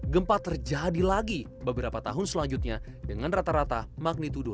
gempa terjadi lagi beberapa tahun selanjutnya dengan rata rata magnitudo dua